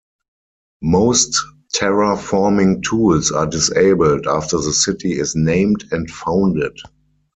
Most terraforming tools are disabled after the city is named and founded.